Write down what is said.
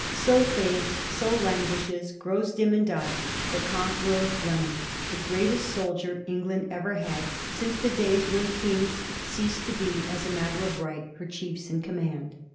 So fades, so languishes, grows dim, and dies the conqueror of Blenheim, the greatest soldier England ever had since the days when kings ceased to be as a matter of right her chie& in command.